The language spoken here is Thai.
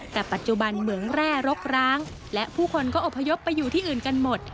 แต่ปัจจุบันเหมืองแร่รกร้างและผู้คนก็อบพยพไปอยู่ที่อื่นกันหมด